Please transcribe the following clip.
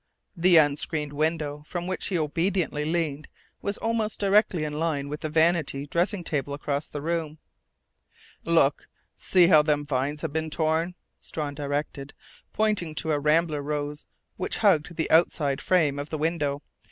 The unscreened window from which he obediently leaned was almost directly in line with the vanity dressing table across the room. "Look! See how them vines have been torn," Strawn directed, pointing to a rambler rose which hugged the outside frame of the window.